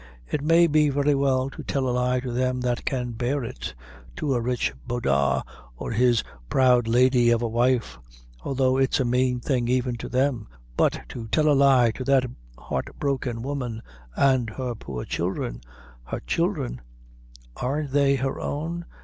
It may be very well to tell a lie to them that can bear it to a rich bodagh, or his proud lady of a wife although it's a mean thing even to them; but to tell a lie to that heartbroken woman and her poor childhre her childhre aren't they her own?